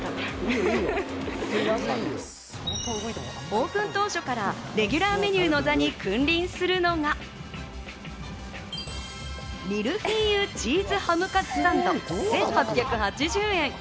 オープン当初からレギュラーメニューの座に君臨するのが、ミルフィーユチーズハムカツサンド、１８８０円。